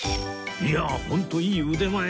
いやあホントいい腕前